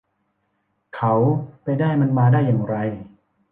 เขาไปได้มันมาได้อย่างไร